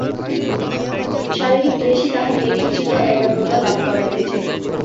শারীরিক ক্লেশই তাহাকে ঈপ্সিত একাগ্রতা লাভ করাইতেছে।